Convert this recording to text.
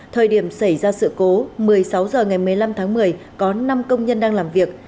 thời điểm xảy ra sự cố một mươi sáu h ngày một mươi năm tháng một mươi có năm công nhân đang làm việc